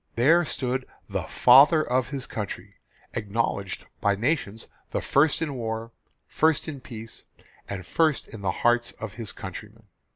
There stood the 'Father of his Country' acknowledged by nations the first in war, first in peace, and first in the hearts of his countrymen.